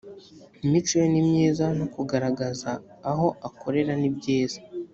imico ye ni myiza no kugaragaza aho akorera ni byiza